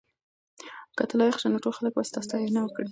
که ته لایق شې نو ټول خلک به ستا ستاینه وکړي.